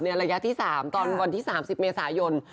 ระยะที่๓ตอนวันที่๓๐เมษายน